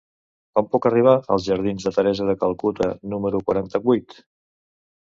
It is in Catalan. Com puc arribar als jardins de Teresa de Calcuta número quaranta-vuit?